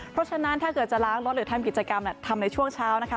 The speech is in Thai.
เพราะฉะนั้นถ้าเกิดจะล้างรถหรือทำกิจกรรมทำในช่วงเช้านะคะ